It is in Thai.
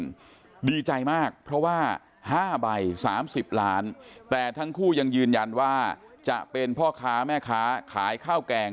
ส่วนคนภาษาภาษาภาษาภาษาภาษาภาษาภาษาภาษาภาษาภาษาภาษาภาษาภาษาภาษาก่อน